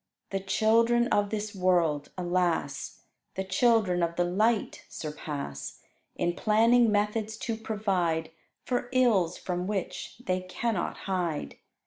The children of this world, alas! The children of the light surpass, In planning methods to provide For ills from which they cannot hide.